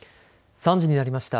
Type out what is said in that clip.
３時になりました。